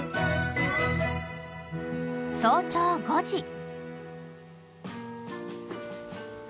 ［早朝５時］